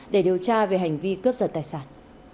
để điều tra về hành vi cướp giật tài sản